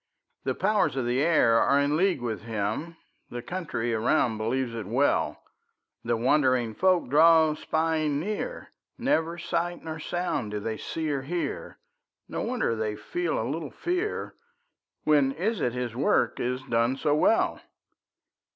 The powers of the air are in league with him; The country around believes it well; The wondering folk draw spying near; Never sight nor sound do they see or hear; No wonder they feel a little fear; When is it his work is done so well?